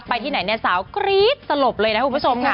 ที่ไหนเนี่ยสาวกรี๊ดสลบเลยนะคุณผู้ชมค่ะ